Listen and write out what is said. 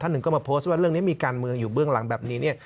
หนึ่งก็มาโพสต์ว่าเรื่องนี้มีการเมืองอยู่เบื้องหลังแบบนี้เนี่ย